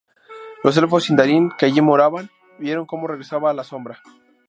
Los elfos Sindarin que allí moraban vieron cómo regresaba la Sombra.